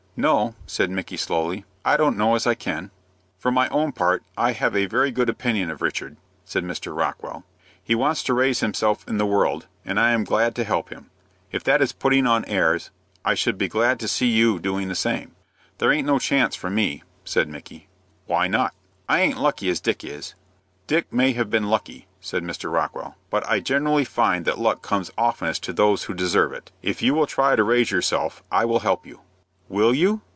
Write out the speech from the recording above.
"No," said Micky, slowly, "I dunno as I can." "For my own part I have a very good opinion of Richard," said Mr. Rockwell. "He wants to raise himself in the world, and I am glad to help him. If that is putting on airs, I should be glad to see you doing the same." "There aint no chance for me," said Micky. "Why not?" "I aint lucky as Dick is." "Dick may have been lucky," said Mr. Rockwell, "but I generally find that luck comes oftenest to those who deserve it. If you will try to raise yourself I will help you." "Will you?"